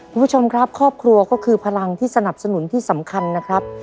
คุณผู้ชมครับครอบครัวก็คือพลังที่สนับสนุนที่สำคัญนะครับ